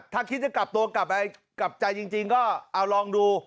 ถ้าคิดจะกลับตัวกลับไปกลับใจจริงก็เอาลองดู